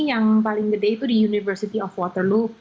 yang paling gede itu di university of waterlo